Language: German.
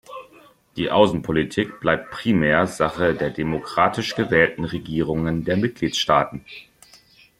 Die Außenpolitik bleibt primär Sache der demokratisch gewählten Regierungen der Mitgliedstaaten.